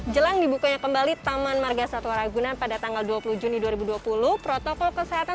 jelang dibukanya kembali taman marga satwa ragunan pada tanggal dua puluh juni dua ribu dua puluh protokol kesehatan